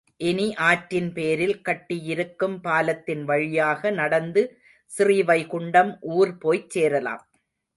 இனி ஆற்றின் பேரில் கட்டியிருக்கும் பாலத்தின் வழியாக நடந்து ஸ்ரீவைகுண்டம் ஊர் போய்ச் சேரலாம்.